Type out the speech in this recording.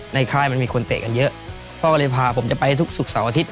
ค่ายมันมีคนเตะกันเยอะพ่อก็เลยพาผมจะไปทุกศุกร์เสาร์อาทิตย